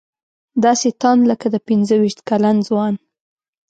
داسې تاند لکه د پنځه ویشت کلن ځوان.